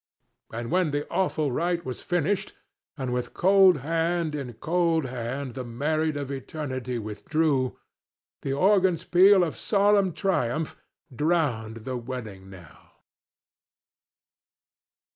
And when the awful rite was finished and with cold hand in cold hand the married of eternity withdrew, the organ's peal of solemn triumph drowned the wedding knell.